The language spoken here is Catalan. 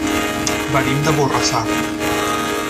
Venim de Borrassà.